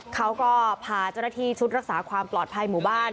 เขาก็พาเจ้าหน้าที่ชุดรักษาความปลอดภัยหมู่บ้าน